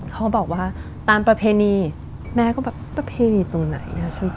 เขาบอกว่าตามประเพณีแม่ก็แบบประเพณีตรงไหน